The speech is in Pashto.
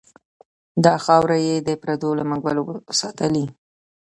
دا خاوره یې د پردو له منګلو ساتلې.